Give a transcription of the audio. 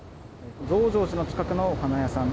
増上寺の近くのお花屋さん。